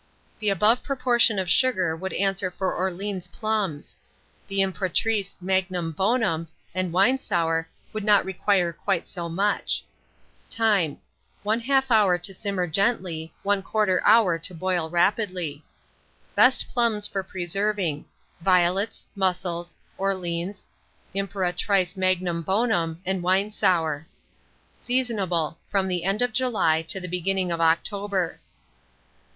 The above proportion of sugar would answer for Orleans plums; the Impératrice Magnum bonum, and Winesour would not require quite so much. Time. 1/2 hour to simmer gently, 1/4 hour to boil rapidly. Best plums for preserving. Violets, Mussels, Orleans, Impératrice Magnum bonum, and Winesour. Seasonable from the end of July to the beginning of October.